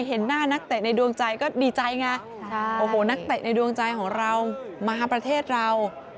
เห็นหน้านักเตะในดวงใจก็ดีใจไงโอ้โหนักเตะในดวงใจของเรามาประเทศเรา